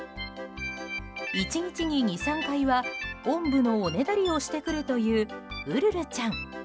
１日に２、３回はおんぶのおねだりをしてくるというウルルちゃん。